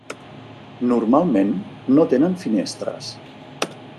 Normalment no tenen finestres.